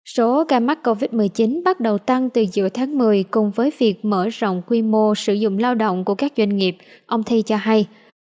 số ca mắc covid một mươi chín bắt đầu tăng từ giữa tháng một mươi cùng với việc mở rộng quy mô sử dụng lao động của các doanh nghiệp ông thi cho hay